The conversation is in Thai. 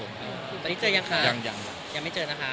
ตอนนี้เจอยังคะยังไม่เจอนะคะ